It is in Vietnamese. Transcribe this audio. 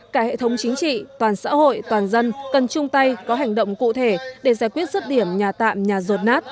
cả hệ thống chính trị toàn xã hội toàn dân cần chung tay có hành động cụ thể để giải quyết rứt điểm nhà tạm nhà rột nát